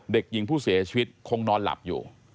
เด็กหญิงผู้เสียชีวิตคงนอนหลับอยู่